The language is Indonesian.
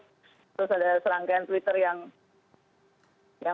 terus ada serangkaian twitter yang berbeda ya